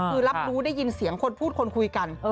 คือรับรู้ได้ยินเสียงคนพูดคนคุยกัน